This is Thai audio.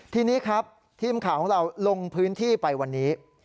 ทีนี้ครับทีมข่าวของเราลงพื้นที่ไปวันนี้